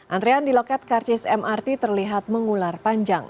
antrean di loket karcis mrt terlihat mengular panjang